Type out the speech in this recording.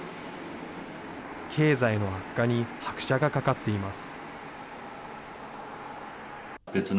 経済の悪化に拍車がかかっています。